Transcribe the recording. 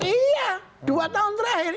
iya dua tahun terakhir